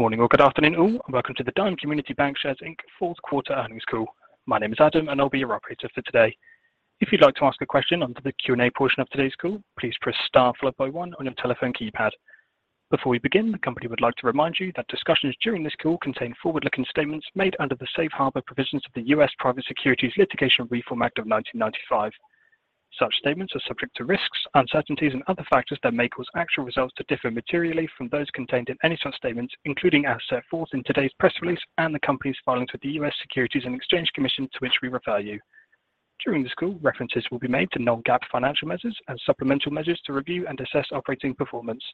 Good morning or good afternoon all, and welcome to the Dime Community Bancshares, Inc. fourth quarter earnings call. My name is Adam, and I'll be your operator for today. If you'd like to ask a question on to the Q&A portion of today's call, please press star followed by one on your telephone keypad. Before we begin, the company would like to remind you that discussions during this call contain forward-looking statements made under the safe harbor provisions of the U.S. Private Securities Litigation Reform Act of 1995. Such statements are subject to risks, uncertainties and other factors that may cause actual results to differ materially from those contained in any such statements, including as set forth in today's press release and the company's filings with the U.S. Securities and Exchange Commission, to which we refer you. During this call, references will be made to non-GAAP financial measures and supplemental measures to review and assess operating performance.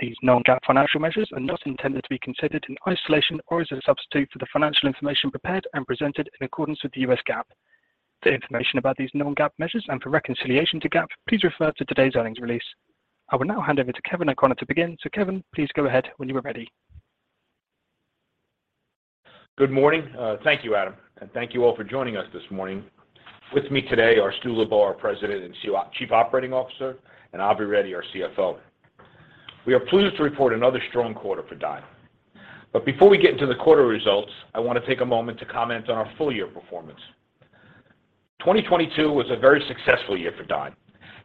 These non-GAAP financial measures are not intended to be considered in isolation or as a substitute for the financial information prepared and presented in accordance with the U.S. GAAP. For information about these non-GAAP measures and for reconciliation to GAAP, please refer to today's earnings release. I will now hand over to Kevin O'Connor to begin. Kevin, please go ahead when you are ready. Good morning. Thank you, Adam, and thank you all for joining us this morning. With me today are Stuart Lubow, our President and Chief Operating Officer, and Avinash Reddy, our CFO. We are pleased to report another strong quarter for Dime. Before we get into the quarter results, I want to take a moment to comment on our full year performance. 2022 was a very successful year for Dime,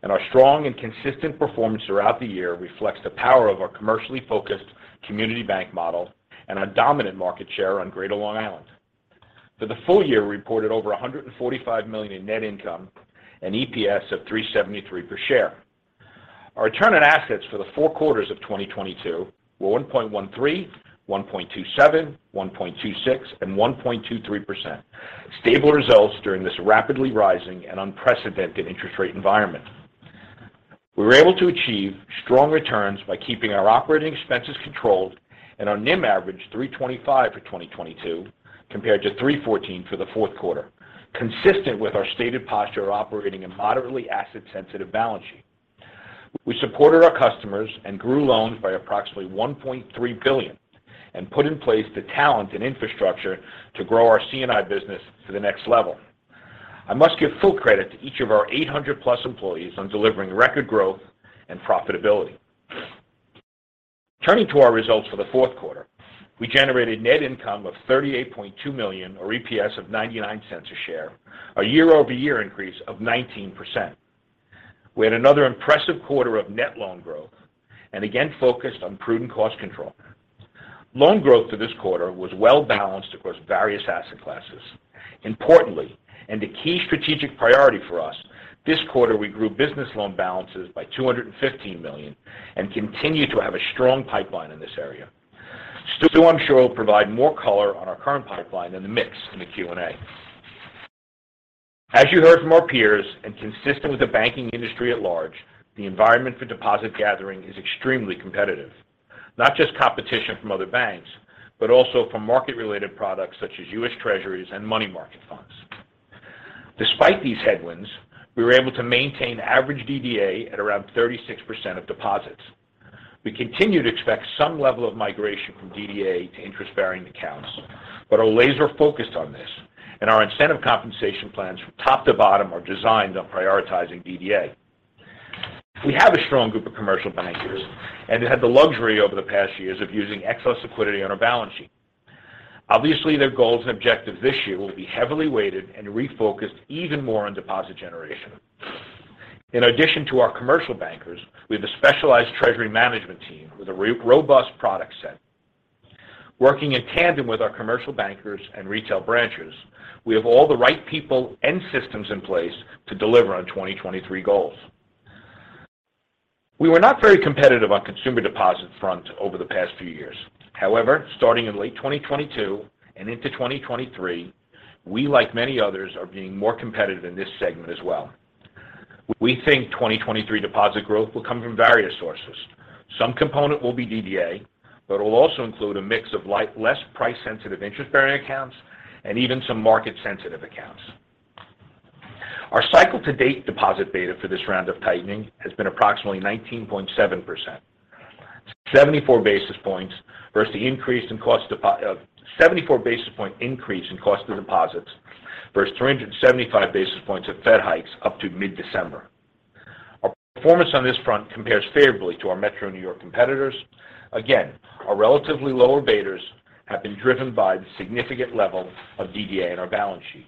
and our strong and consistent performance throughout the year reflects the power of our commercially focused community bank model and our dominant market share on Greater Long Island. For the full year, we reported over $145 million in net income and EPS of $3.73 per share. Our return on assets for the 4 quarters of 2022 were 1.13%, 1.27%, 1.26%, and 1.23%. Stable results during this rapidly rising and unprecedented interest rate environment. We were able to achieve strong returns by keeping our operating expenses controlled and our NIM average 3.25% for 2022, compared to 3.14% for the fourth quarter, consistent with our stated posture operating a moderately asset-sensitive balance sheet. We supported our customers and grew loans by approximately $1.3 billion and put in place the talent and infrastructure to grow our C&I business to the next level. I must give full credit to each of our 800+ employees on delivering record growth and profitability. Turning to our results for the fourth quarter, we generated net income of $38.2 million, or EPS of $0.99 a share, a year-over-year increase of 19%. We had another impressive quarter of net loan growth and again focused on prudent cost control. Loan growth for this quarter was well balanced across various asset classes. Importantly, and a key strategic priority for us, this quarter we grew business loan balances by $215 million and continue to have a strong pipeline in this area. Stu, I'm sure, will provide more color on our current pipeline and the mix in the Q&A. As you heard from our peers, and consistent with the banking industry at large, the environment for deposit gathering is extremely competitive. Not just competition from other banks, but also from market-related products such as U.S. Treasuries and money market funds. Despite these headwinds, we were able to maintain average DDA at around 36% of deposits. We continue to expect some level of migration from DDA to interest-bearing accounts, are laser-focused on this, and our incentive compensation plans from top to bottom are designed on prioritizing DDA. We have a strong group of commercial bankers, have had the luxury over the past years of using excess liquidity on our balance sheet. Obviously, their goals and objectives this year will be heavily weighted and refocused even more on deposit generation. In addition to our commercial bankers, we have a specialized treasury management team with a robust product set. Working in tandem with our commercial bankers and retail branches, we have all the right people and systems in place to deliver on 2023 goals. We were not very competitive on consumer deposit front over the past few years. However, starting in late 2022 and into 2023, we, like many others, are being more competitive in this segment as well. We think 2023 deposit growth will come from various sources. Some component will be DDA, it will also include a mix of less price-sensitive interest-bearing accounts and even some market-sensitive accounts. Our cycle to date deposit beta for this round of tightening has been approximately 19.7%. 74 basis points versus the increase in cost, 74 basis point increase in cost of deposits versus 375 basis points of Fed hikes up to mid-December. Our performance on this front compares favorably to our Metro New York competitors. Our relatively lower betas have been driven by the significant level of DDA in our balance sheet.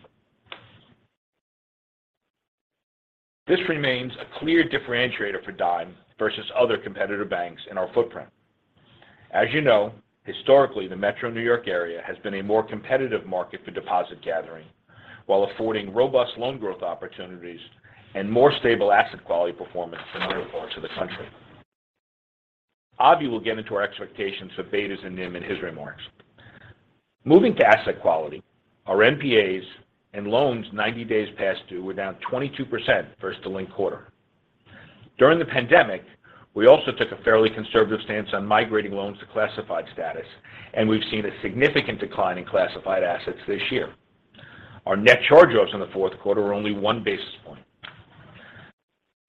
This remains a clear differentiator for Dime versus other competitor banks in our footprint. As you know, historically, the Metro New York area has been a more competitive market for deposit gathering while affording robust loan growth opportunities and more stable asset quality performance than other parts of the country. Avi will get into our expectations for betas and NIM in his remarks. Moving to asset quality, our NPAs and loans 90 days past due were down 22% versus the linked quarter. During the pandemic, we also took a fairly conservative stance on migrating loans to classified status, and we've seen a significant decline in classified assets this year. Our net charge-offs in the fourth quarter were only one basis point.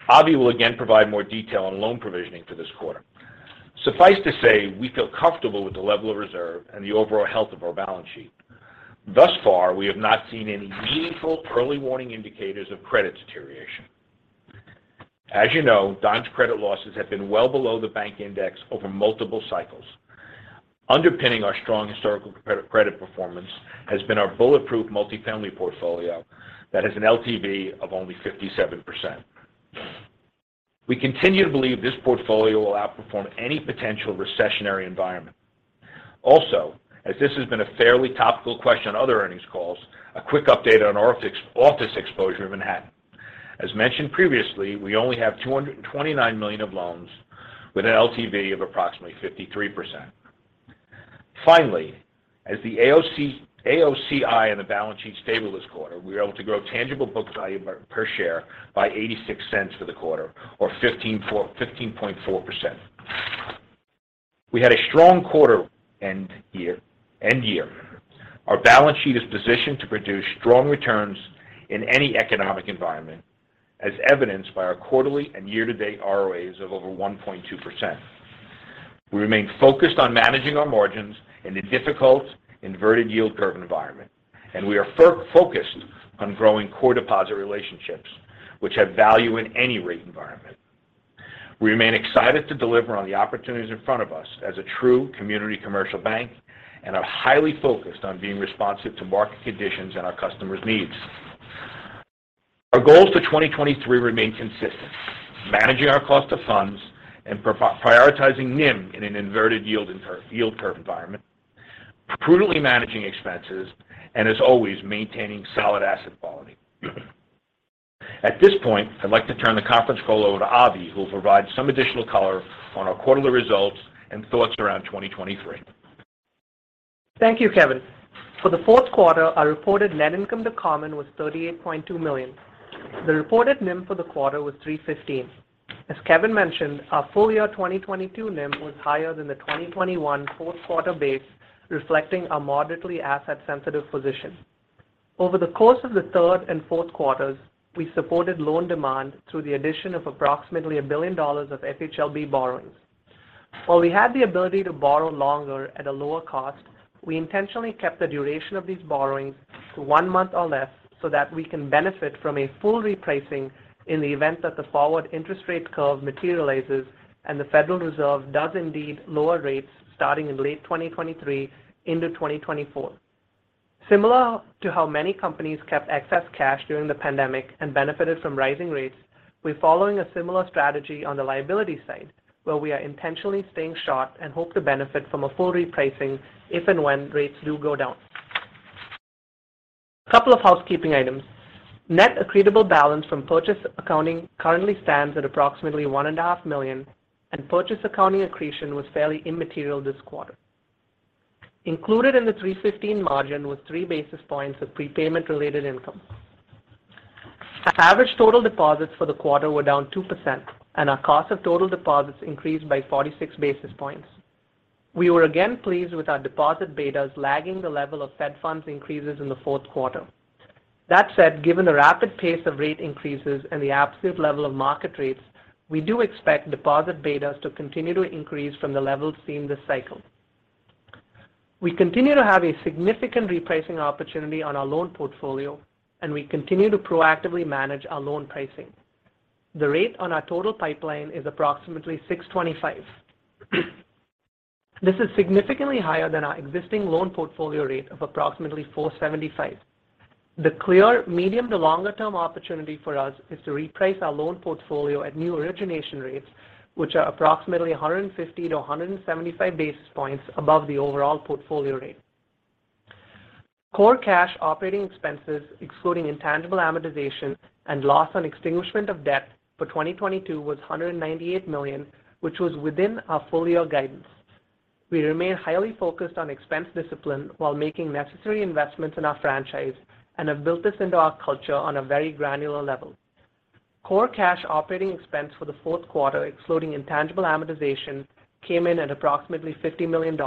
Avi will again provide more detail on loan provisioning for this quarter. Suffice to say, we feel comfortable with the level of reserve and the overall health of our balance sheet. Thus far, we have not seen any meaningful early warning indicators of credit deterioration. As you know, Dime's credit losses have been well below the bank index over multiple cycles. Underpinning our strong historical credit performance has been our bulletproof multifamily portfolio that has an LTV of only 57%. We continue to believe this portfolio will outperform any potential recessionary environment. Also, as this has been a fairly topical question on other earnings calls, a quick update on our office exposure in Manhattan. As mentioned previously, we only have $229 million of loans with an LTV of approximately 53%. Finally, as the AOCI and the balance sheet stable this quarter, we were able to grow tangible book value per share by $0.86 for the quarter or 15.4%. We had a strong quarter and year. Our balance sheet is positioned to produce strong returns in any economic environment, as evidenced by our quarterly and year-to-date ROAs of over 1.2%. We remain focused on managing our margins in a difficult inverted yield curve environment, and we are focused on growing core deposit relationships which have value in any rate environment. We remain excited to deliver on the opportunities in front of us as a true community commercial bank and are highly focused on being responsive to market conditions and our customers' needs. Our goals for 2023 remain consistent. Managing our cost of funds and prioritizing NIM in an inverted yield and yield curve environment, prudently managing expenses, as always, maintaining solid asset quality. At this point, I'd like to turn the conference call over to Avi, who will provide some additional color on our quarterly results and thoughts around 2023. Thank you, Kevin. For the fourth quarter, our reported net income to common was $38.2 million. The reported NIM for the quarter was 3.15%. As Kevin mentioned, our full year 2022 NIM was higher than the 2021 fourth quarter base, reflecting a moderately asset sensitive position. Over the course of the third and fourth quarters, we supported loan demand through the addition of approximately $1 billion of FHLB borrowings. While we had the ability to borrow longer at a lower cost, we intentionally kept the duration of these borrowings to one month or less so that we can benefit from a full repricing in the event that the forward interest rate curve materializes and the Federal Reserve does indeed lower rates starting in late 2023 into 2024. Similar to how many companies kept excess cash during the pandemic and benefited from rising rates, we're following a similar strategy on the liability side, where we are intentionally staying short and hope to benefit from a full repricing if and when rates do go down. Couple of housekeeping items. Net accretable balance from purchase accounting currently stands at approximately one and a half million, and purchase accounting accretion was fairly immaterial this quarter. Included in the 315 margin was 3 basis points of prepayment related income. Our average total deposits for the quarter were down 2%, and our cost of total deposits increased by 46 basis points. We were again pleased with our deposit betas lagging the level of Fed funds increases in the fourth quarter. That said, given the rapid pace of rate increases and the absolute level of market rates, we do expect deposit betas to continue to increase from the levels seen this cycle. We continue to have a significant repricing opportunity on our loan portfolio, and we continue to proactively manage our loan pricing. The rate on our total pipeline is approximately 6.25%. This is significantly higher than our existing loan portfolio rate of approximately 4.75%. The clear medium to longer term opportunity for us is to reprice our loan portfolio at new origination rates, which are approximately 150-175 basis points above the overall portfolio rate. Core cash operating expenses, excluding intangible amortization and loss on extinguishment of debt for 2022 was $198 million, which was within our full year guidance. We remain highly focused on expense discipline while making necessary investments in our franchise and have built this into our culture on a very granular level. Core cash operating expense for the fourth quarter, excluding intangible amortization, came in at approximately $50 million.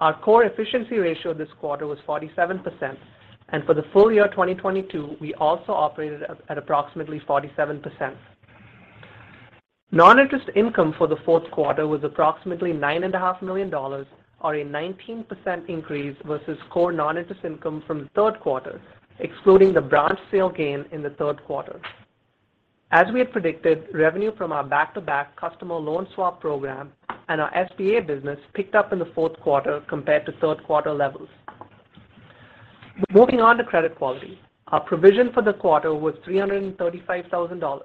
Our core efficiency ratio this quarter was 47%, and for the full year 2022, we also operated at approximately 47%. Non-interest income for the fourth quarter was approximately nine and a half million dollars, or a 19% increase versus core non-interest income from the third quarter, excluding the branch sale gain in the third quarter. As we had predicted, revenue from our back-to-back customer loan swap program and our SBA business picked up in the fourth quarter compared to third quarter levels. Moving on to credit quality. Our provision for the quarter was $335,000.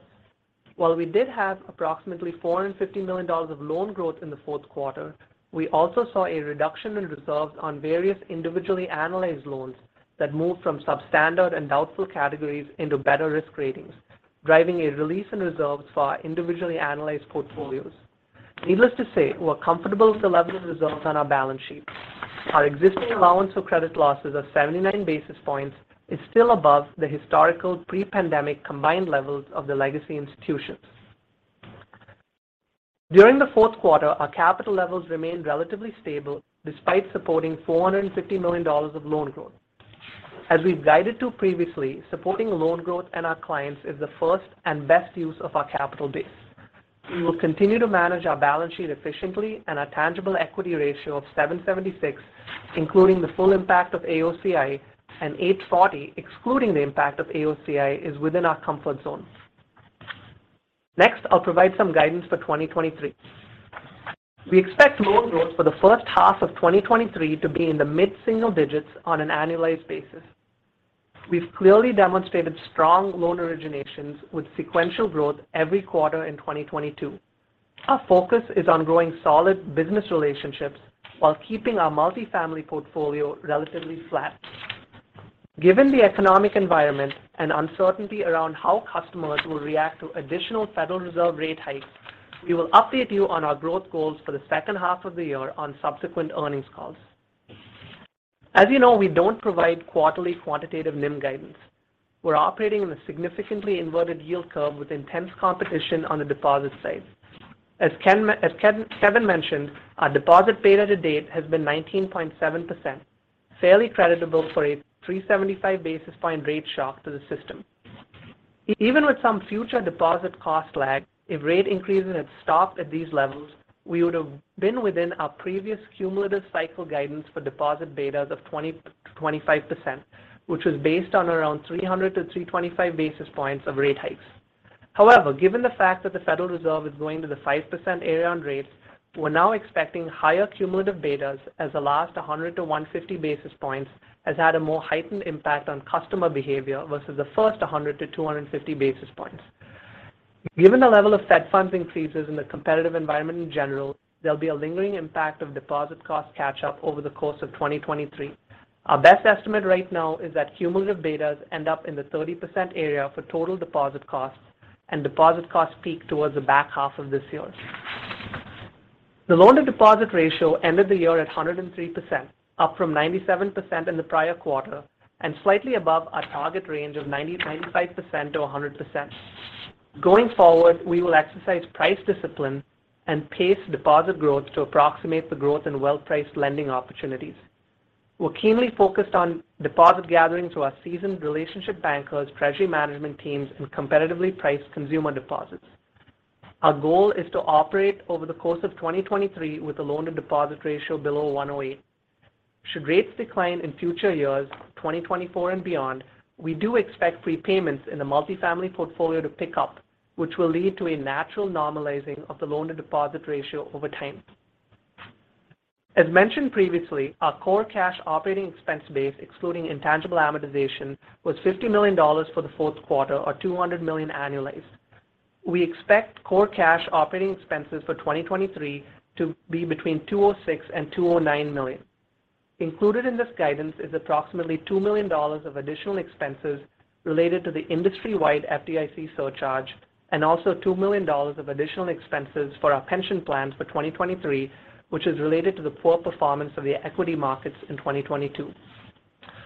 While we did have approximately $450 million of loan growth in the fourth quarter, we also saw a reduction in reserves on various individually analyzed loans that moved from substandard and doubtful categories into better risk ratings, driving a release in reserves for our individually analyzed portfolios. Needless to say, we're comfortable with the level of reserves on our balance sheet. Our existing allowance for credit losses of 79 basis points is still above the historical pre-pandemic combined levels of the legacy institutions. During the fourth quarter, our capital levels remained relatively stable despite supporting $450 million of loan growth. As we've guided to previously, supporting loan growth and our clients is the first and best use of our capital base. We will continue to manage our balance sheet efficiently and our tangible equity ratio of 7.76%, including the full impact of AOCI and 8.40%, excluding the impact of AOCI, is within our comfort zone. I'll provide some guidance for 2023. We expect loan growth for the first half of 2023 to be in the mid-single digits on an annualized basis. We've clearly demonstrated strong loan originations with sequential growth every quarter in 2022. Our focus is on growing solid business relationships while keeping our multifamily portfolio relatively flat. Given the economic environment and uncertainty around how customers will react to additional Federal Reserve rate hikes, we will update you on our growth goals for the second half of the year on subsequent earnings calls. As you know, we don't provide quarterly quantitative NIM guidance. We're operating in a significantly inverted yield curve with intense competition on the deposit side. As Kevin mentioned, our deposit beta to date has been 19.7%, fairly creditable for a 375 basis point rate shock to the system. Even with some future deposit cost lag, if rate increases had stopped at these levels, we would have been within our previous cumulative cycle guidance for deposit betas of 20%-25%, which was based on around 300 to 325 basis points of rate hikes. Given the fact that the Federal Reserve is going to the 5% area on rates, we're now expecting higher cumulative betas as the last 100-150 basis points has had a more heightened impact on customer behavior versus the first 100-250 basis points. Given the level of Fed funds increases in the competitive environment in general, there'll be a lingering impact of deposit cost catch up over the course of 2023. Our best estimate right now is that cumulative betas end up in the 30% area for total deposit costs and deposit costs peak towards the back half of this year. The loan-to-deposit ratio ended the year at 103%, up from 97% in the prior quarter and slightly above our target range of 90%-95% to 100%. Going forward, we will exercise price discipline and pace deposit growth to approximate the growth in well-priced lending opportunities. We're keenly focused on deposit gathering through our seasoned relationship bankers, treasury management teams, and competitively priced consumer deposits. Our goal is to operate over the course of 2023 with a loan-to-deposit ratio below 108. Should rates decline in future years, 2024 and beyond, we do expect prepayments in the multifamily portfolio to pick up, which will lead to a natural normalizing of the loan-to-deposit ratio over time. As mentioned previously, our core cash operating expense base, excluding intangible amortization, was $50 million for the fourth quarter, or $200 million annualized. We expect core cash operating expenses for 2023 to be between $206 million and $209 million. Included in this guidance is approximately $2 million of additional expenses related to the industry-wide FDIC surcharge and also $2 million of additional expenses for our pension plans for 2023, which is related to the poor performance of the equity markets in 2022.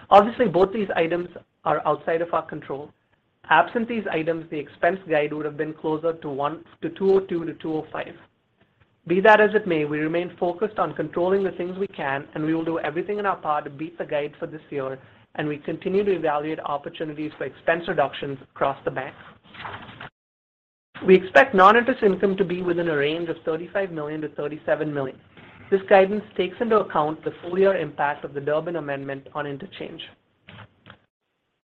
Obviously, both these items are outside of our control. Absent these items, the expense guide would have been closer to $202 million-$205 million. Be that as it may, we remain focused on controlling the things we can, and we will do everything in our power to beat the guide for this year. We continue to evaluate opportunities for expense reductions across the bank. We expect non-interest income to be within a range of $35 million-$37 million. This guidance takes into account the full year impact of the Durbin Amendment on interchange.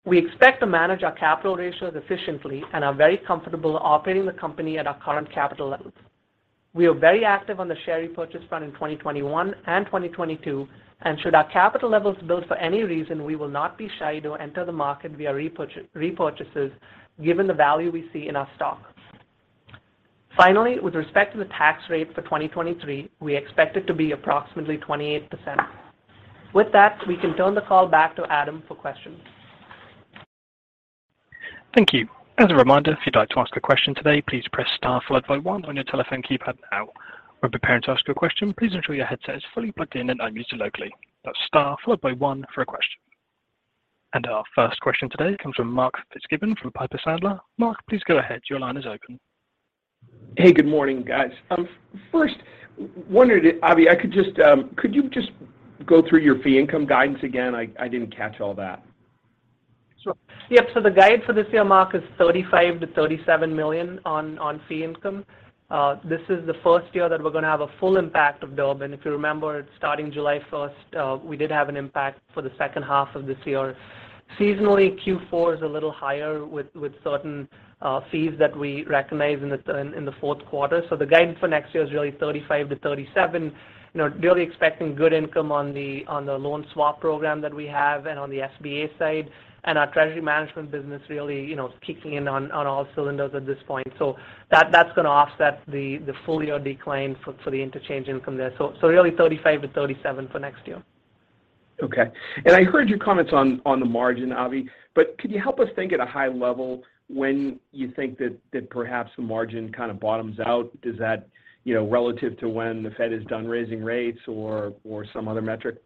We expect to manage our capital ratios efficiently and are very comfortable operating the company at our current capital levels. We are very active on the share repurchase front in 2021 and 2022. Should our capital levels build for any reason, we will not be shy to enter the market via repurchases given the value we see in our stock. Finally, with respect to the tax rate for 2023, we expect it to be approximately 28%. With that, we can turn the call back to Adam for questions. Thank you. As a reminder, if you'd like to ask a question today, please press star followed by one on your telephone keypad now. When preparing to ask your question, please ensure your headset is fully plugged in and un-muted locally. That's star followed by one for a question. Our first question today comes from Mark Fitzgibbon from Piper Sandler. Mark, please go ahead. Your line is open. Hey, good morning, guys. first, wondered, Avi, I could just, could you just go through your fee income guidance again? I didn't catch all that. Sure. Yep. The guide for this year, Mark, is $35 million-$37 million on fee income. This is the first year that we're going to have a full impact of Durbin. If you remember, starting July 1st, we did have an impact for the second half of this year. Seasonally, Q4 is a little higher with certain fees that we recognize in the fourth quarter. The guidance for next year is really $35 million-$37 million. You know, really expecting good income on the loan swap program that we have and on the SBA side. Our treasury management business really, you know, kicking in on all cylinders at this point. That's going to offset the full year decline for the interchange income there. Really $35 million-$37 million for next year. Okay. I heard your comments on the margin, Avi. Could you help us think at a high level when you think that perhaps the margin kind of bottoms out? Is that, you know, relative to when the Fed is done raising rates or some other metric?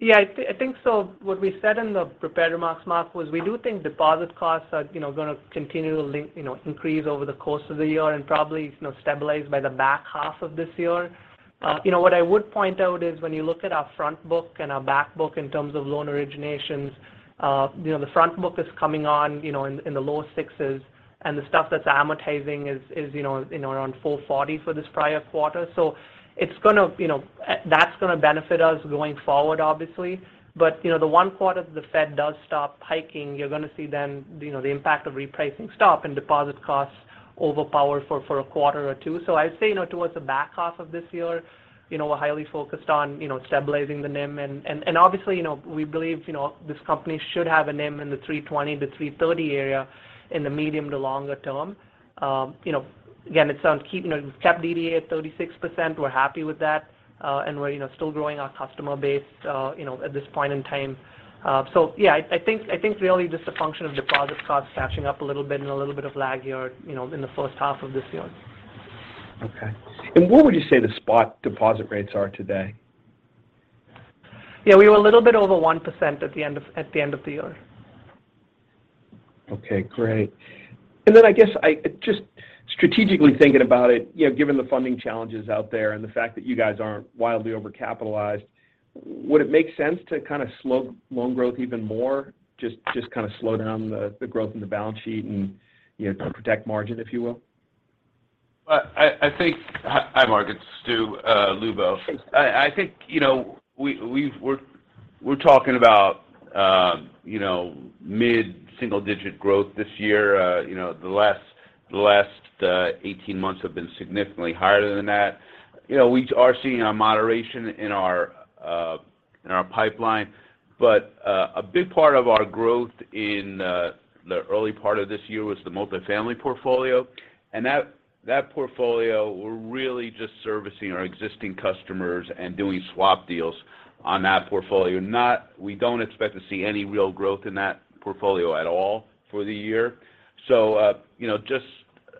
Yeah, I think so. What we said in the prepared remarks, Mark, was we do think deposit costs are, you know, gonna continually, you know, increase over the course of the year and probably, you know, stabilize by the back half of this year. you know, what I would point out is when you look at our front book and our back book in terms of loan originations, you know, the front book is coming on, you know, in the low 6s, and the stuff that's amortizing is, you know, around 4.40 for this prior quarter. That's gonna benefit us going forward, obviously. you know, the one part if the Fed does stop hiking, you're gonna see then, you know, the impact of repricing stop and deposit costs overpower for a quarter or two. I'd say, you know, towards the back half of this year, you know, we're highly focused on, you know, stabilizing the NIM. Obviously, you know, we believe, you know, this company should have a NIM in the 3.20%-3.30% area in the medium to longer term. You know, again, it sounds cheap. You know, we've kept DDA at 36%. We're happy with that, and we're, you know, still growing our customer base, you know, at this point in time. Yeah, I think really just a function of deposit costs catching up a little bit and a little bit of lag here, you know, in the first half of this year. Okay. What would you say the spot deposit rates are today? Yeah, we were a little bit over 1% at the end of the year. Okay, great. Just strategically thinking about it, you know, given the funding challenges out there and the fact that you guys aren't wildly overcapitalized, would it make sense to kind of slow loan growth even more? Just kind of slow down the growth in the balance sheet and, you know, protect margin, if you will? Well, I think. Hi, Mark. It's Stu, Lubow. Hey, Stu. I think, you know, we're talking about, you know, mid-single digit growth this year. You know, the last 18 months have been significantly higher than that. You know, we are seeing a moderation in our pipeline, but a big part of our growth in the early part of this year was the multifamily portfolio. That portfolio, we're really just servicing our existing customers and doing swap deals on that portfolio. We don't expect to see any real growth in that portfolio at all for the year. You know, just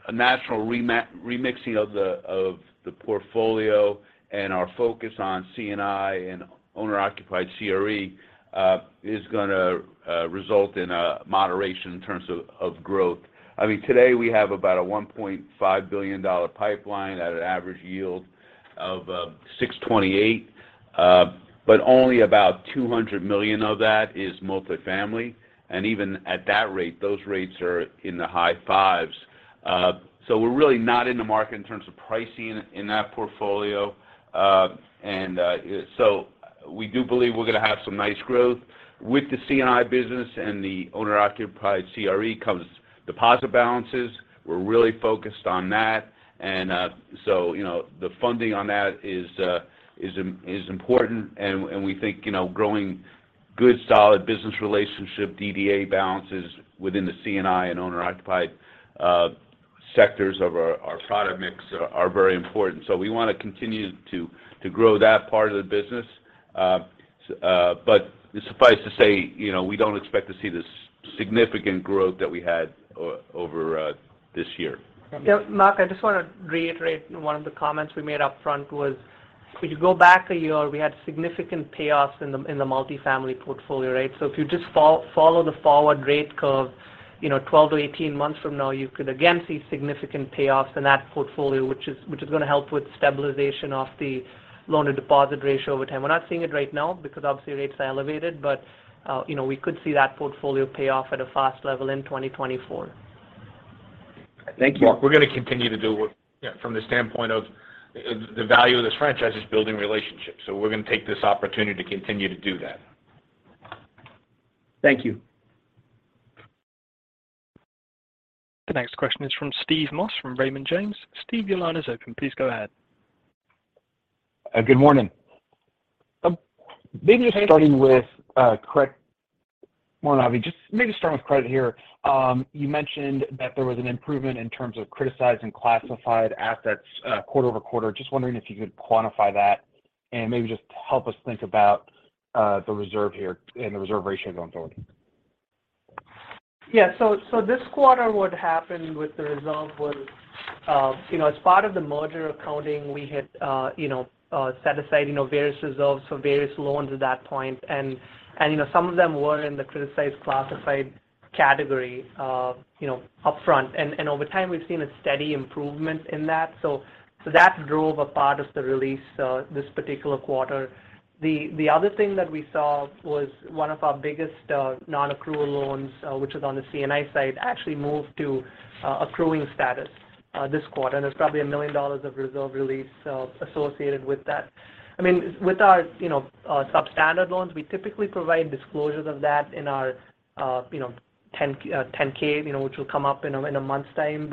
a natural remixing of the portfolio and our focus on C&I and owner-occupied CRE is gonna result in a moderation in terms of growth. I mean, today we have about a $1.5 billion pipeline at an average yield of 6.28%. Only about $200 million of that is multifamily, and even at that rate, those rates are in the high 5s. We're really not in the market in terms of pricing in that portfolio. We do believe we're gonna have some nice growth. With the C&I business and the owner-occupied CRE comes deposit balances. We're really focused on that. You know, the funding on that is important. We think, you know, growing good, solid business relationship DDA balances within the C&I and owner-occupied sectors of our product mix are very important. We wanna continue to grow that part of the business. Suffice to say, you know, we don't expect to see the significant growth that we had over this year. Yeah. Mark, I just wanna reiterate one of the comments we made up front was if you go back a year, we had significant payoffs in the, in the multifamily portfolio rate. If you just follow the forward rate curve, you know, 12 to 18 months from now, you could again see significant payoffs in that portfolio, which is gonna help with stabilization of the loan-to-deposit ratio over time. We're not seeing it right now because obviously rates are elevated, but, you know, we could see that portfolio pay off at a fast level in 2024. Thank you. Mark, we're gonna continue to do what. You know, from the standpoint of the value of this franchise is building relationships. We're gonna take this opportunity to continue to do that. Thank you. The next question is from Steve Moss from Raymond James. Steve, your line is open. Please go ahead. Good morning. Maybe just starting with credit here. You mentioned that there was an improvement in terms of criticized and classified assets, quarter-over-quarter. Just wondering if you could quantify that and maybe just help us think about the reserve here and the reserve ratio going forward. Yeah. So this quarter, what happened with the reserve was, you know, as part of the merger accounting, we had, you know, set aside, you know, various reserves for various loans at that point. And, you know, some of them were in the criticized classified category, you know, upfront. And over time, we've seen a steady improvement in that. So that drove a part of the release this particular quarter. The other thing that we saw was one of our biggest non-accrual loans, which was on the C&I side, actually moved to accruing status. This quarter, there's probably $1 million of reserve release associated with that. I mean, with our, you know, substandard loans we typically provide disclosures of that in our, you know, 10-K, you know, which will come up in a, in a month's time.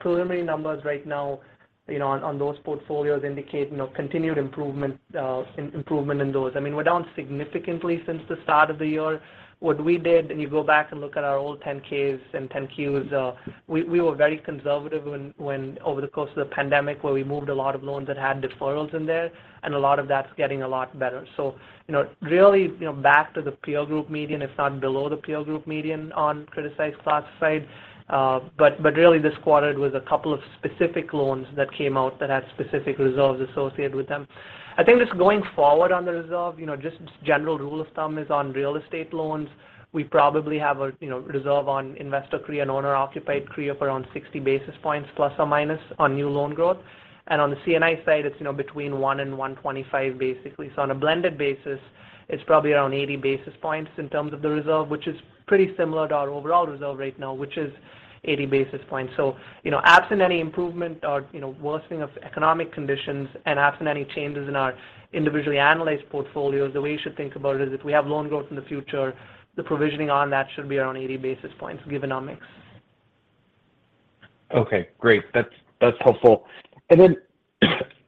Preliminary numbers right now, you know, on those portfolios indicate, you know, continued improvement in those. I mean, we're down significantly since the start of the year. What we did, you go back and look at our old 10-Ks and 10-Qs, we were very conservative when over the course of the pandemic, where we moved a lot of loans that had deferrals in there, and a lot of that's getting a lot better. You know, really, you know, back to the peer group median, if not below the peer group median on criticized classified. Really this quarter it was a couple of specific loans that came out that had specific reserves associated with them. I think just going forward on the reserve, you know, just general rule of thumb is on real estate loans we probably have a, you know, reserve on investor CRE and owner-occupied CRE of around 60 basis points ± on new loan growth. On the C&I side it's, you know, between 1 basis point and 125 basis points basically. On a blended basis it's probably around 80 basis points in terms of the reserve, which is pretty similar to our overall reserve right now, which is 80 basis points. You know, absent any improvement or, you know, worsening of economic conditions and absent any changes in our individually analyzed portfolios, the way you should think about it is if we have loan growth in the future, the provisioning on that should be around 80 basis points given our mix. Okay, great. That's helpful. Then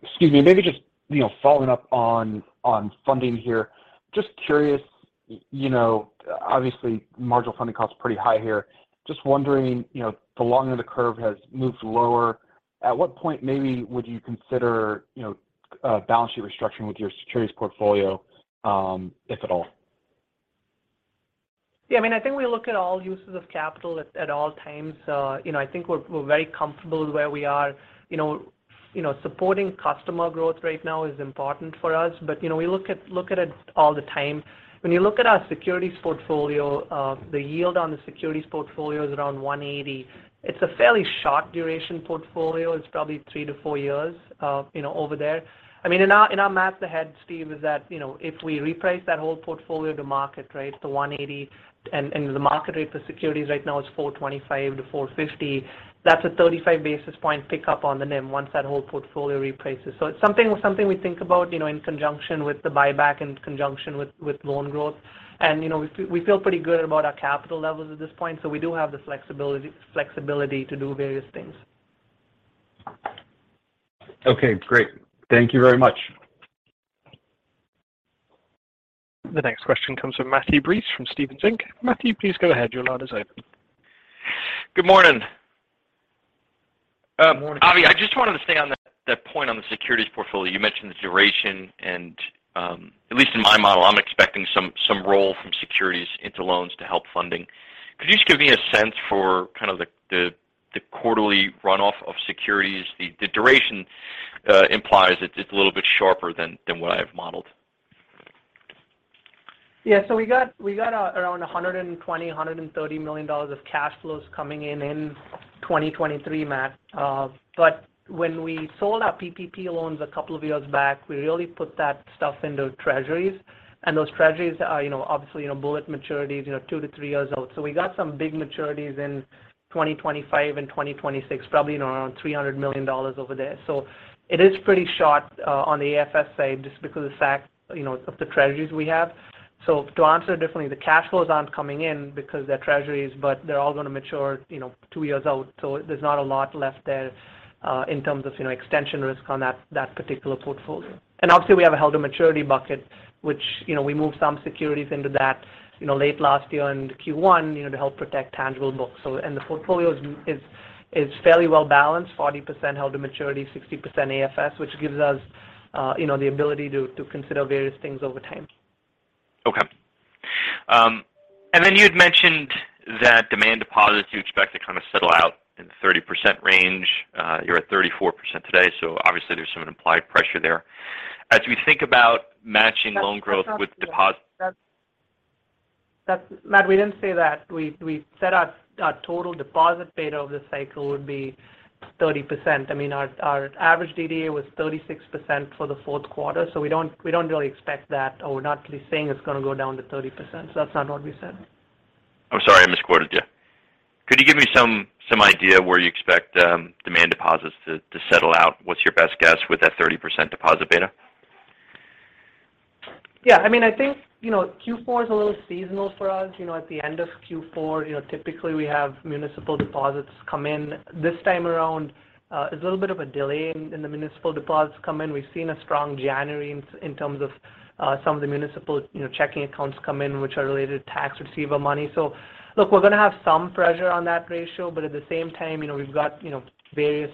excuse me. Maybe just, you know, following up on funding here. Just curious, you know, obviously marginal funding cost is pretty high here. Just wondering, you know, the longer the curve has moved lower, at what point maybe would you consider, you know, a balance sheet restructuring with your securities portfolio, if at all? Yeah. I mean, I think we look at all uses of capital at all times. You know, I think we're very comfortable where we are. You know, supporting customer growth right now is important for us, but, you know, we look at it all the time. When you look at our securities portfolio, the yield on the securities portfolio is around 1.80. It's a fairly short duration portfolio. It's probably three to four years, you know, over there. I mean, in our math ahead, Steve, is that, you know, if we reprice that whole portfolio to market rate to 1.80 and the market rate for securities right now is 4.25 to 4.50, that's a 35 basis point pickup on the NIM once that whole portfolio reprices. It's something we think about, you know, in conjunction with the buyback in conjunction with loan growth. You know, we feel pretty good about our capital levels at this point, so we do have the flexibility to do various things. Okay, great. Thank you very much. The next question comes from Matthew Breese from Stephens Inc. Matthew, please go ahead. Your line is open. Good morning. Morning. Avi, I just wanted to stay on that point on the securities portfolio. You mentioned the duration and, at least in my model, I'm expecting some roll from securities into loans to help funding. Could you just give me a sense for kind of the quarterly runoff of securities? The duration implies it's just a little bit sharper than what I've modeled. Yeah. We got around $120 million-$130 million of cash flows coming in in 2023, Matt. When we sold our PPP loans a couple of years back, we really put that stuff into Treasuries. Those Treasuries are obviously bullet maturities, two to three years out. We got some big maturities in 2025 and 2026, probably around $300 million over there. It is pretty short on the AFS side just because of the fact of the Treasuries we have. To answer differently, the cash flows aren't coming in because they're Treasuries, but they're all gonna mature, you know, two years out, so there's not a lot left there, in terms of, you know, extension risk on that particular portfolio. Obviously we have a held-to-maturity bucket which, you know, we moved some securities into that, you know, late last year and Q1, you know, to help protect tangible books. The portfolio is fairly well-balanced, 40% held to maturity, 60% AFS, which gives us, you know, the ability to consider various things over time. Okay. you'd mentioned that demand deposits you expect to kind of settle out in the 30% range. you're at 34% today, so obviously there's some implied pressure there. As we think about matching loan growth with deposit- That's not. Matt, we didn't say that. We said our total deposit beta over the cycle would be 30%. I mean, our average DDA was 36% for the fourth quarter, so we don't really expect that or we're not really saying it's gonna go down to 30%. That's not what we said. I'm sorry, I misquoted you. Could you give me some idea where you expect demand deposits to settle out? What's your best guess with that 30% deposit beta? Yeah. I mean, I think, you know, Q4 is a little seasonal for us. You know, at the end of Q4, you know, typically we have municipal deposits come in. This time around, there's a little bit of a delay in the municipal deposits come in. We've seen a strong January in terms of some of the municipal, you know, checking accounts come in which are related to tax receivable money. Look, we're gonna have some pressure on that ratio, but at the same time, you know, we've got, you know, various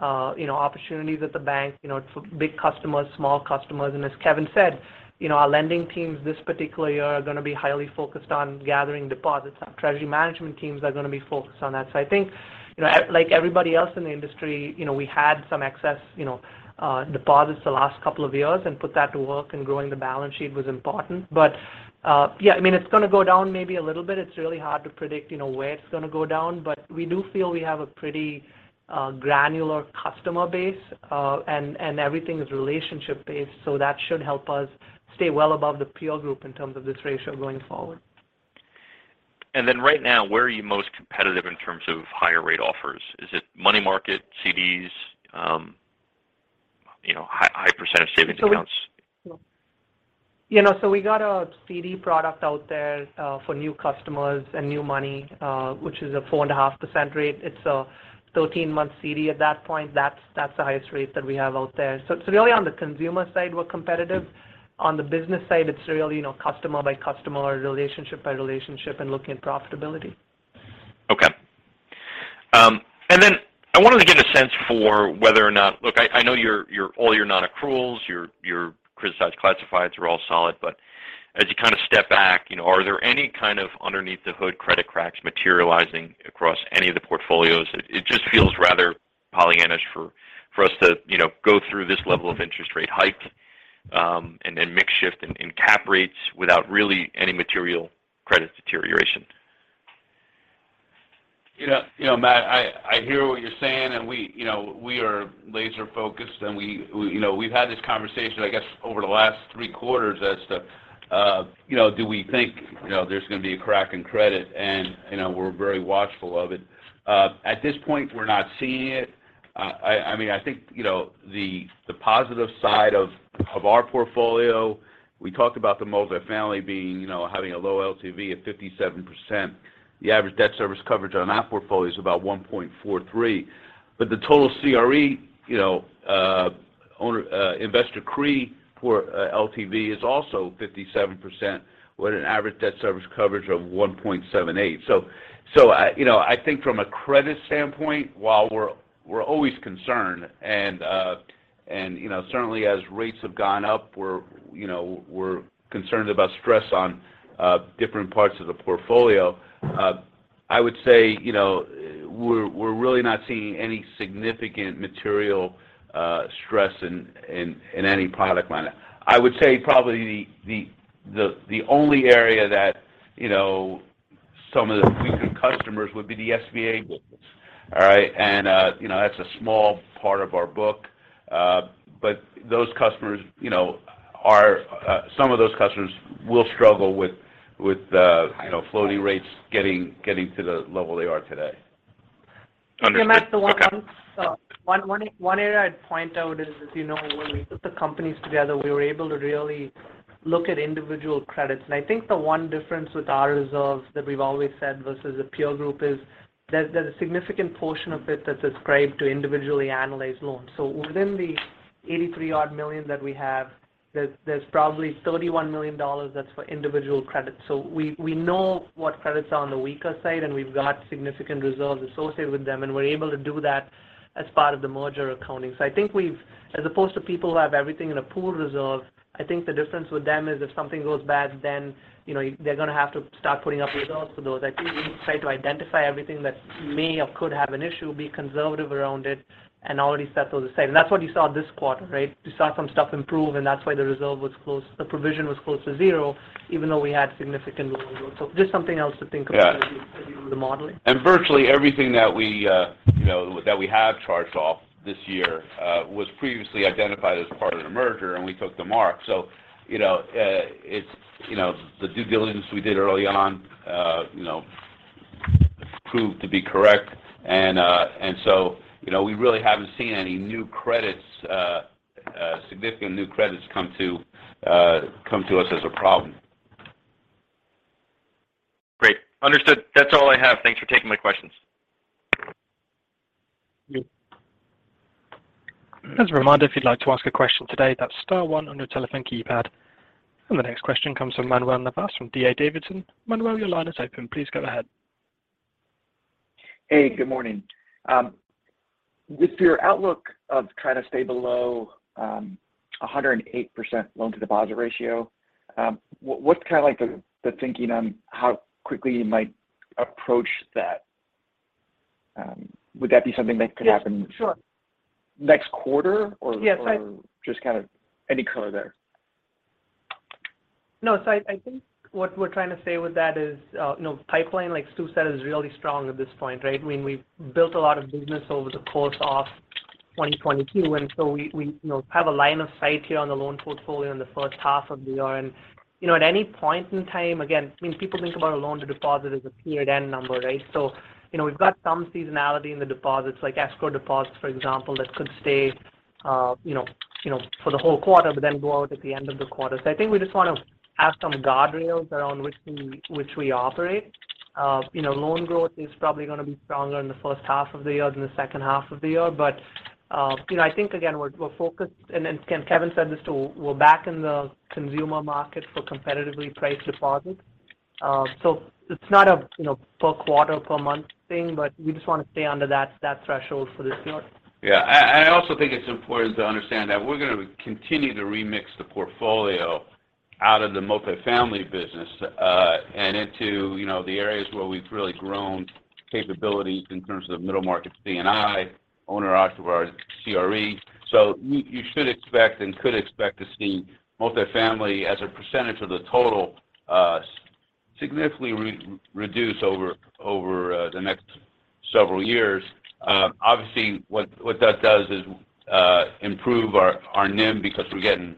opportunities at the bank. You know, it's big customers, small customers, and as Kevin said, you know, our lending teams this particular year are gonna be highly focused on gathering deposits. Our treasury management teams are gonna be focused on that. I think, you know, like everybody else in the industry, you know, we had some excess, you know, deposits the last couple of years and put that to work and growing the balance sheet was important. Yeah, I mean it's gonna go down maybe a little bit. It's really hard to predict, you know, where it's gonna go down. We do feel we have a pretty, granular customer base, and everything is relationship based, so that should help us stay well above the peer group in terms of this ratio going forward. Then right now, where are you most competitive in terms of higher rate offers? Is it money market, CDs, you know, high percentage savings accounts? You know, we got a CD product out there for new customers and new money, which is a 4.5% rate. It's a 13-month CD at that point. That's the highest rate that we have out there. Really on the consumer side, we're competitive. On the business side, it's really, you know, customer by customer or relationship by relationship and looking at profitability. Okay. I wanted to get a sense for whether or not... Look, I know your all your non-accruals, your criticized classifieds are all solid. As you kind of step back, you know, are there any kind of underneath the hood credit cracks materializing across any of the portfolios? It just feels rather Pollyannaish for us to, you know, go through this level of interest rate hike and then mix shift and cap rates without really any material credit deterioration. You know, Matt, I hear what you're saying, we, you know, we are laser-focused, we, you know, we've had this conversation, I guess, over the last three quarters as to, you know, do we think, you know, there's gonna be a crack in credit? You know, we're very watchful of it. At this point, we're not seeing it. I mean, I think, you know, the positive side of our portfolio, we talked about the multifamily being, you know, having a low LTV at 57%. The average debt service coverage on that portfolio is about 1.43. The total CRE, you know, owner, investor CRE for LTV is also 57% with an average debt service coverage of 1.78. I, you know, I think from a credit standpoint, while we're always concerned, and, you know, certainly as rates have gone up, we're concerned about stress on different parts of the portfolio. I would say, you know, we're really not seeing any significant material stress in any product line. I would say probably the only area that, you know, some of the weaker customers would be the SBA business, all right. You know, that's a small part of our book. Those customers, you know, are, some of those customers will struggle with, you know, floating rates getting to the level they are today. Understood. Okay. Yeah, Matt, the one area I'd point out is, as you know, when we put the companies together, we were able to really look at individual credits. I think the one difference with our reserves that we've always said versus a peer group is there's a significant portion of it that's ascribed to individually analyzed loans. Within the $83 odd million that we have, there's probably $31 million that's for individual credits. We know what credits are on the weaker side, and we've got significant reserves associated with them, and we're able to do that as part of the merger accounting. I think we've-- as opposed to people who have everything in a pool reserve, I think the difference with them is if something goes bad, then, you know, they're gonna have to start putting up reserves for those. I think we try to identify everything that may or could have an issue, be conservative around it, and already set those aside. That's what you saw this quarter, right? You saw some stuff improve, and that's why the reserve was close, the provision was close to 0 even though we had significant loan growth. Just something else to think about. Yeah ...as you do the modeling. Virtually everything that we, you know, that we have charged off this year, was previously identified as part of the merger, and we took the mark. You know, it's, you know, the due diligence we did early on, you know, proved to be correct. You know, we really haven't seen any new credits, significant new credits come to us as a problem. Great. Understood. That's all I have. Thanks for taking my questions. As a reminder, if you'd like to ask a question today, that's star 1 on your telephone keypad. The next question comes from Manuel Navas from D.A. Davidson. Manuel, your line is open. Please go ahead. Hey, good morning. With your outlook of trying to stay below, 108% loan-to-deposit ratio, what's kinda like the thinking on how quickly you might approach that? Would that be something that could happen? Yeah. Sure. next quarter Yes. Just kind of any color there? No. I think what we're trying to say with that is, you know, pipeline, like Stu said, is really strong at this point, right? I mean, we've built a lot of business over the course of 2022, we, you know, have a line of sight here on the loan portfolio in the first half of the year. You know, at any point in time, again, I mean, people think about a loan-to-deposit as a period-end number, right? You know, we've got some seasonality in the deposits, like escrow deposits, for example, that could stay, you know, for the whole quarter but then go out at the end of the quarter. I think we just wanna have some guardrails around which we operate. You know, loan growth is probably gonna be stronger in the first half of the year than the second half of the year. You know, I think again, we're focused. Again, Kevin said this too, we're back in the consumer market for competitively priced deposits. It's not a, you know, per quarter, per month thing, but we just wanna stay under that threshold for this year. Yeah. I also think it's important to understand that we're gonna continue to remix the portfolio out of the multifamily business, and into, you know, the areas where we've really grown capabilities in terms of middle market C&I, owner occupied CRE. You, you should expect and could expect to see multifamily as a percentage of the total, significantly reduce over the next several years. Obviously what that does is improve our NIM because we're getting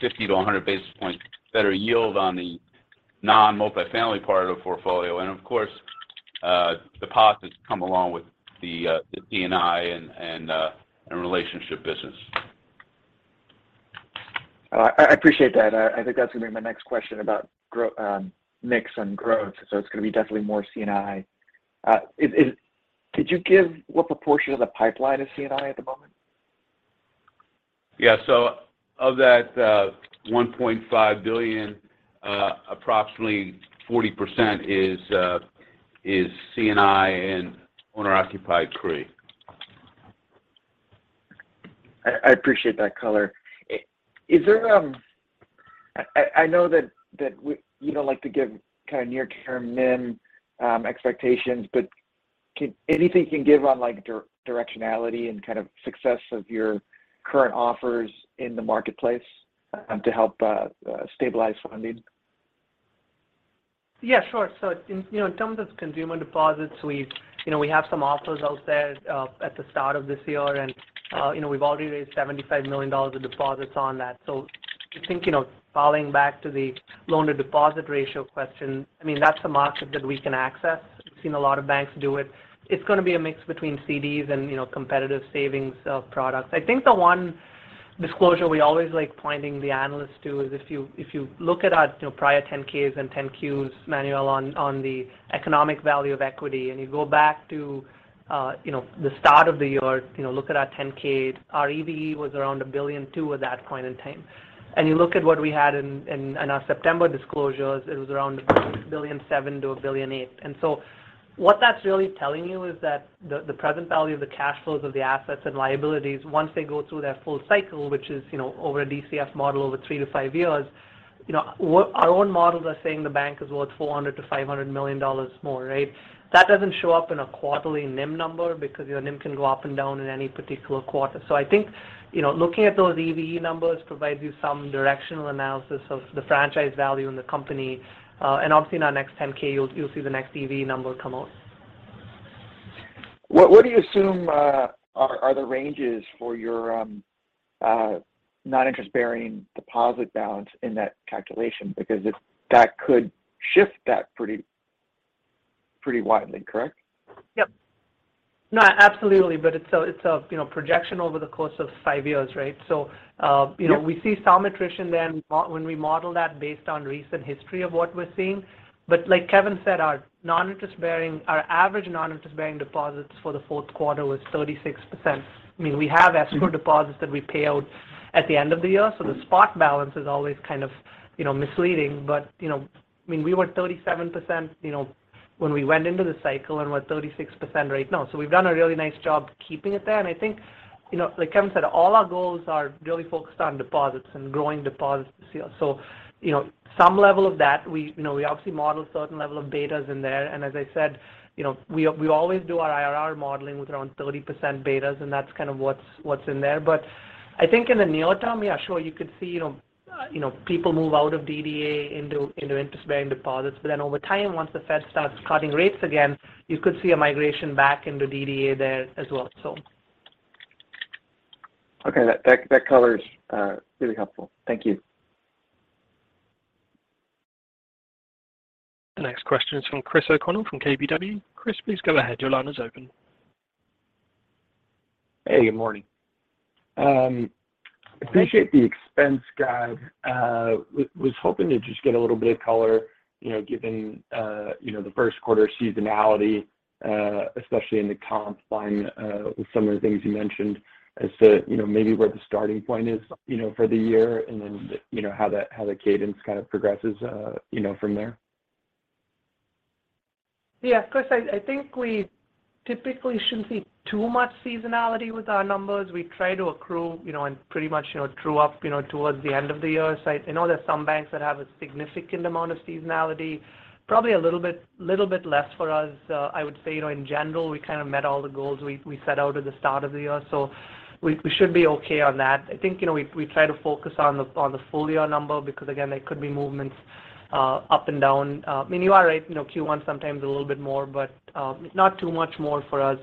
50 to 100 basis points better yield on the non-multifamily part of the portfolio. Of course, deposits come along with the C&I and relationship business. I appreciate that. I think that's gonna be my next question about mix and growth. It's gonna be definitely more C&I. Could you give what proportion of the pipeline is C&I at the moment? Yeah. Of that, $1.5 billion, approximately 40% is C&I and owner-occupied CRE. I appreciate that color. Is there, I know that you don't like to give kind of near-term NIM expectations, but anything you can give on like directionality and kind of success of your current offers in the marketplace to help stabilize funding? Yeah, sure. In, you know, in terms of consumer deposits, we've, you know, we have some offers out there, at the start of this year, and, you know, we've already raised $75 million in deposits on that. I think, you know, falling back to the loan to deposit ratio question, I mean, that's a market that we can access. We've seen a lot of banks do it. It's gonna be a mix between CDs and, you know, competitive savings, products. I think the one disclosure we always like pointing the analysts to is if you look at our, you know, prior 10-Ks and 10-Qs, Manuel, on the economic value of equity, and you go back to, you know, the start of the year, you know, look at our 10-K, our EVE was around $1.2 billion at that point in time. You look at what we had in our September disclosures, it was around $1.7 billion-$1.8 billion. What that's really telling you is that the present value of the cash flows of the assets and liabilities, once they go through their full cycle, which is, you know, over a DCF model over three to five years, you know, our own models are saying the bank is worth $400 million-$500 million more, right? That doesn't show up in a quarterly NIM number because your NIM can go up and down in any particular quarter. I think, you know, looking at those EVE numbers provides you some directional analysis of the franchise value in the company. Obviously in our next 10-K, you'll see the next EVE number come out. What do you assume are the ranges for your non-interest-bearing deposit balance in that calculation? If that could shift that pretty widely, correct? Yep. No, absolutely. It's a, you know, projection over the course of five years, right? You know. Yep... we see some attrition then when we model that based on recent history of what we're seeing. Like Kevin said, our non-interest-bearing, our average non-interest-bearing deposits for the fourth quarter was 36%. I mean, we have escrow deposits that we pay out at the end of the year, so the spot balance is always kind of, you know, misleading. You know, I mean, we were 37%, you know, when we went into the cycle and we're 36% right now. We've done a really nice job keeping it there. I think, you know, like Kevin said, all our goals are really focused on deposits and growing deposits this year. You know, some level of that we, you know, obviously model certain level of betas in there. As I said, you know, we always do our IRR modeling with around 30% betas, and that's kind of what's in there. I think in the near term, yeah, sure, you could see, you know, people move out of DDA into interest-bearing deposits. Over time, once the Fed starts cutting rates again, you could see a migration back into DDA there as well. Okay. That color is really helpful. Thank you. The next question is from Christopher O'Connell from KBW. Chris, please go ahead. Your line is open. Hey, good morning. Appreciate the expense guide. Was hoping to just get a little bit of color, you know, given, you know, the first quarter seasonality, especially in the comp line, with some of the things you mentioned as to, you know, maybe where the starting point is, you know, for the year and then, you know, how the cadence kind of progresses, you know, from there? Of course, I think we typically shouldn't see too much seasonality with our numbers. We try to accrue, you know, and pretty much, you know, true up, you know, towards the end of the year. You know, there's some banks that have a significant amount of seasonality. Probably a little bit less for us. I would say, you know, in general, we kind of met all the goals we set out at the start of the year, so we should be okay on that. I think, you know, we try to focus on the, on the full year number because again, there could be movements up and down. I mean, you are right, you know, Q1 sometimes a little bit more, but not too much more for us.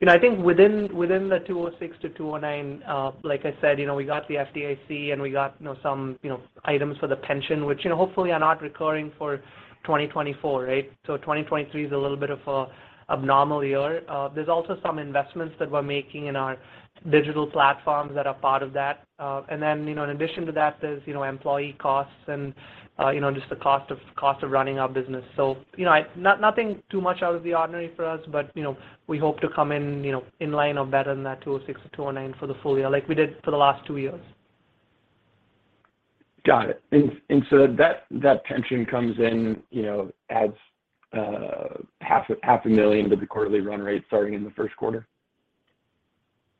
You know, I think within the 206-209, like I said, you know, we got the FDIC and we got, you know, some, you know, items for the pension, which, you know, hopefully are not recurring for 2024, right? Twenty twenty-three is a little bit of a abnormal year. There's also some investments that we're making in our digital platforms that are part of that. You know, in addition to that, there's, you know, employee costs and, you know, just the cost of running our business. You know, nothing too much out of the ordinary for us, but, you know, we hope to come in, you know, in line or better than that 206-209 for the full year, like we did for the last two years. Got it. That pension comes in, you know, adds, half a million dollars to the quarterly run rate starting in the first quarter?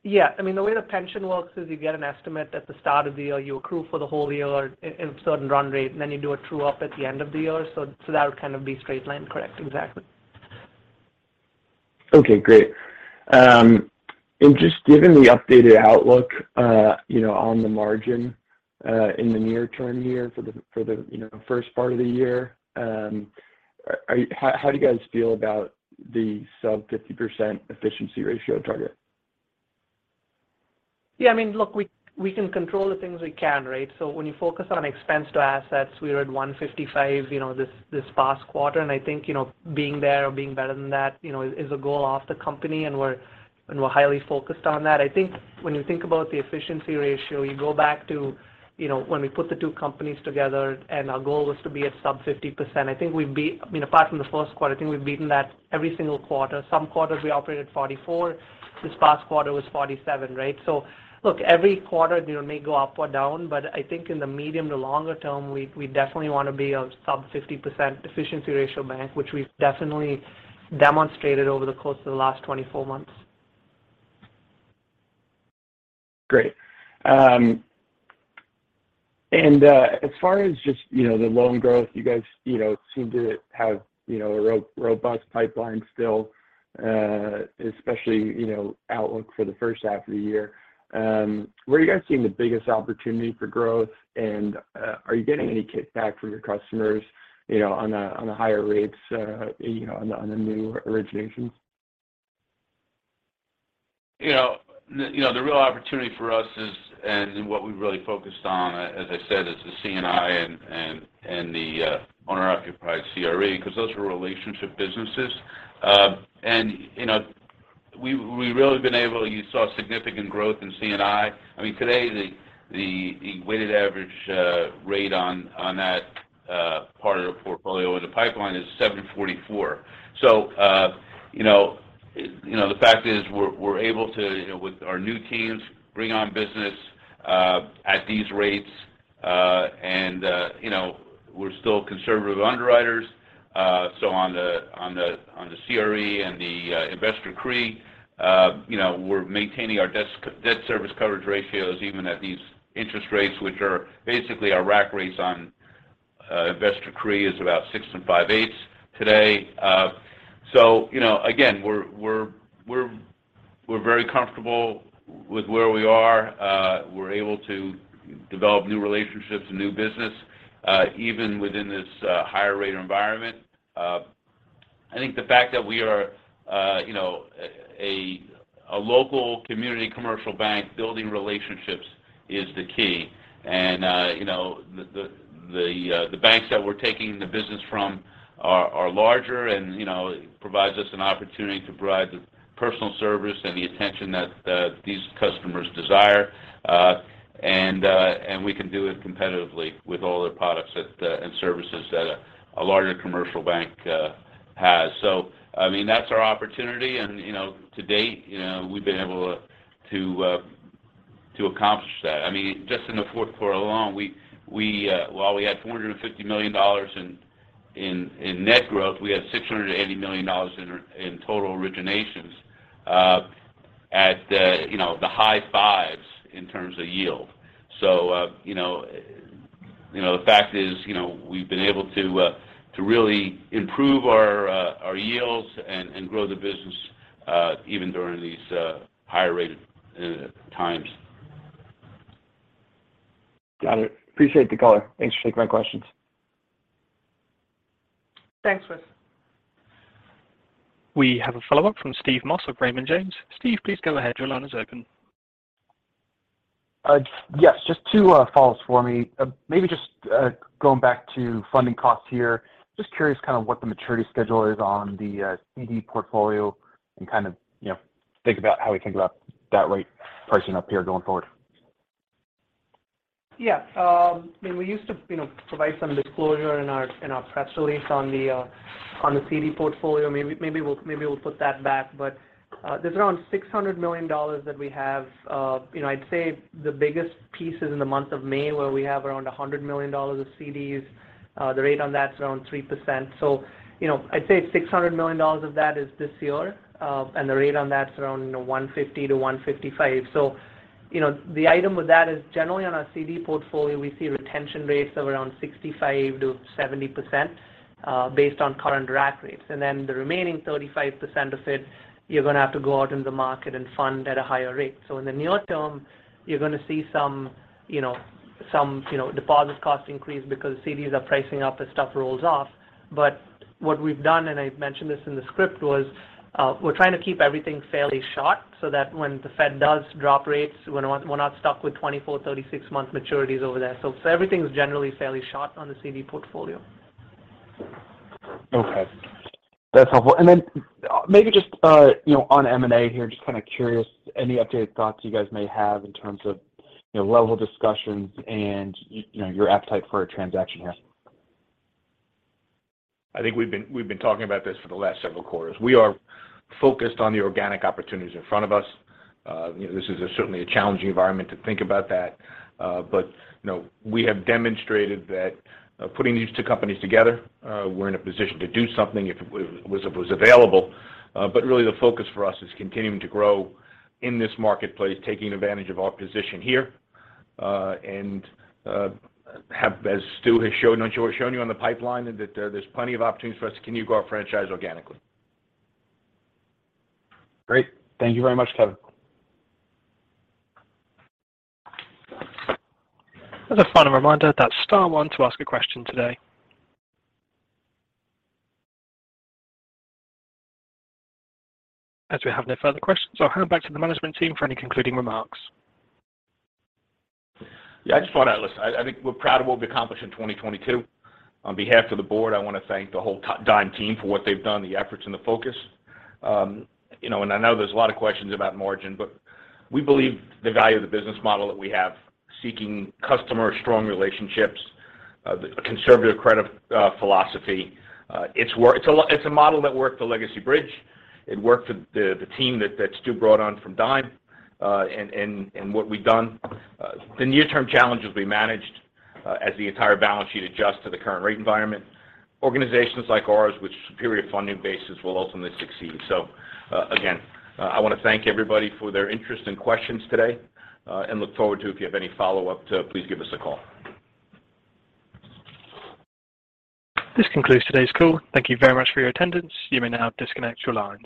Yeah. I mean, the way the pension works is you get an estimate at the start of the year, you accrue for the whole year in certain run rate, and then you do a true up at the end of the year. That would kind of be straight line. Correct. Exactly. Okay, great. just given the updated outlook, you know, on the margin, in the near term here for the, you know, first part of the year, how do you guys feel about the sub 50% efficiency ratio target? Yeah, I mean, look, we can control the things we can, right? When you focus on expense to assets, we were at 1.55%, you know, this past quarter. I think, you know, being there or being better than that, you know, is a goal of the company, and we're highly focused on that. I think when you think about the efficiency ratio, you go back to, you know, when we put the two companies together and our goal was to be at sub 50%. I think we've, I mean, apart from the first quarter, I think we've beaten that every single quarter. Some quarters we operate at 44%. This past quarter was 47%, right? Look, every quarter, you know, may go up or down, but I think in the medium to longer term, we definitely wanna be a sub 50% efficiency ratio bank, which we've definitely demonstrated over the course of the last 24 months. Great. As far as just, you know, the loan growth, you guys, you know, seem to have, you know, a robust pipeline still, especially, you know, outlook for the first half of the year. Where are you guys seeing the biggest opportunity for growth? Are you getting any kickback from your customers, you know, on a, on the higher rates, you know, on the, on the new originations? You know, the, you know, the real opportunity for us is and what we've really focused on, as I said, is the C&I and the owner-occupied CRE, because those are relationship businesses. You know, you saw significant growth in C&I. I mean, today, the weighted average rate on that part of the portfolio with the pipeline is 7.44%. You know, the fact is we're able to, you know, with our new teams, bring on business at these rates. You know, we're still conservative underwriters. On the CRE and the investor CRE, you know, we're maintaining our debt service coverage ratios even at these interest rates, which are basically our rack rates on investor CRE is about six and five-eighths today. You know, again, we're very comfortable with where we are. We're able to develop new relationships and new business even within this higher rate environment. I think the fact that we are, you know, a local community commercial bank, building relationships is the key. You know, the banks that we're taking the business from are larger and, you know, it provides us an opportunity to provide the personal service and the attention that these customers desire. We can do it competitively with all their products that and services that a larger commercial bank has. I mean, that's our opportunity and, you know, to date, you know, we've been able to accomplish that. I mean, just in the fourth quarter alone, we, while we had $450 million in, in net growth, we had $680 million in total originations at the, you know, the high fives in terms of yield. You know, you know, the fact is, you know, we've been able to really improve our yields and grow the business even during these higher rate times. Got it. Appreciate the color. Thanks for taking my questions. Thanks, Chris. We have a follow-up from Steve Moss of Raymond James. Steve, please go ahead. Your line is open. Yes, just two follows for me. Maybe just going back to funding costs here. Just curious kind of what the maturity schedule is on the CD portfolio and kind of, you know, think about how we think about that rate pricing up here going forward? Yeah. I mean, we used to, you know, provide some disclosure in our press release on the CD portfolio. Maybe we'll put that back. There's around $600 million that we have. You know, I'd say the biggest piece is in the month of May, where we have around $100 million of CDs. The rate on that's around 3%. You know, I'd say $600 million of that is this year, and the rate on that's around, you know, 150-155. You know, the item with that is generally on our CD portfolio, we see retention rates of around 65%-70%, based on current rack rates. The remaining 35% of it, you're gonna have to go out in the market and fund at a higher rate. In the near term, you're gonna see some, you know, deposit cost increase because CDs are pricing up as stuff rolls off. What we've done, and I've mentioned this in the script, was, we're trying to keep everything fairly short so that when the Fed does drop rates, we're not stuck with 24, 36 month maturities over there. Everything's generally fairly short on the CD portfolio. Okay. That's helpful. Maybe just, you know, on M&A here, just kind of curious, any updated thoughts you guys may have in terms of, you know, level of discussions and you know, your appetite for a transaction here? I think we've been talking about this for the last several quarters. We are focused on the organic opportunities in front of us. You know, this is certainly a challenging environment to think about that. You know, we have demonstrated that, putting these two companies together, we're in a position to do something if it was available. Really the focus for us is continuing to grow in this marketplace, taking advantage of our position here, and, as Stu has shown you on the pipeline, that there's plenty of opportunities for us to continue to grow our franchise organically. Great. Thank you very much, Kevin. As a final reminder, that's star one to ask a question today. As we have no further questions, I'll hand back to the management team for any concluding remarks. Just final thoughts. I think we're proud of what we accomplished in 2022. On behalf of the board, I want to thank the whole Dime team for what they've done, the efforts and the focus. You know, I know there's a lot of questions about margin, but we believe the value of the business model that we have, seeking customer strong relationships, the conservative credit philosophy, it's a model that worked for Bridge Bancorp. It worked for the team that Stu brought on from Dime. What we've done, the near term challenges we managed, as the entire balance sheet adjust to the current rate environment. Organizations like ours, with superior funding bases, will ultimately succeed. Again, I wanna thank everybody for their interest and questions today, and look forward to if you have any follow-up to please give us a call. This concludes today's call. Thank you very much for your attendance. You may now disconnect your lines.